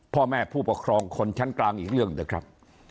พ่อแม่ผู้ปกครองคนชั้นกลางอีกเรื่องนะครับ